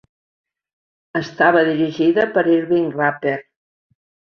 Estava dirigida per Irving Rapper.